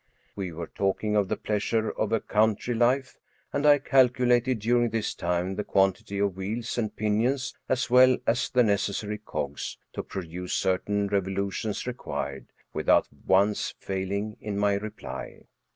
We were talking of the pleasure of a country life, and I calculated during this time the quantity of wheels and pinions, as well as the necessary cogs, to produce certain revolutions required, without once failing in my reply.